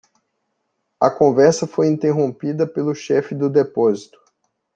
A conversa foi interrompida pelo chefe do depósito.